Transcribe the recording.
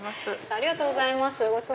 ありがとうございます。